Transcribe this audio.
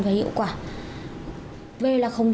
phải hiểu không